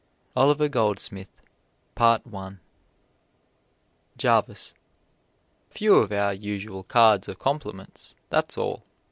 OLIVER GOLDSMITH Jarvis: A few of our usual cards of compliments that's all.